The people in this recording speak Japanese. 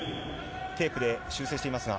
テープで修正していますが。